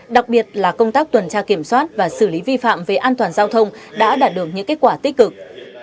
đặc biệt là công tác tuần tra kiểm soát và xử lý vi phạm về an toàn giao thông đã đạt được những kết quả tích cực